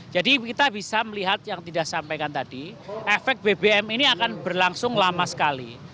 jadi kita bisa melihat yang tidak sampaikan tadi efek bbm ini akan berlangsung lama sekali